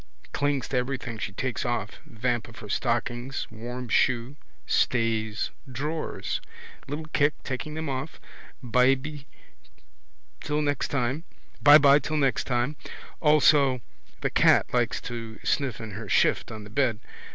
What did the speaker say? Clings to everything she takes off. Vamp of her stockings. Warm shoe. Stays. Drawers: little kick, taking them off. Byby till next time. Also the cat likes to sniff in her shift on the bed.